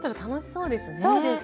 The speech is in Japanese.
そうですね。